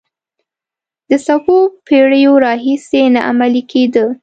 د څو پېړیو راهیسې نه عملي کېده.